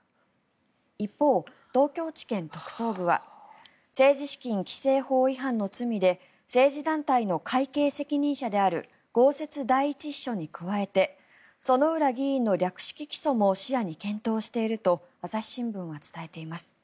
一方、東京地検特捜部は政治資金規正法違反の罪で政治団体の会計責任者である公設第１秘書に加えて薗浦議員の略式起訴も視野に検討していると朝日新聞は伝えています。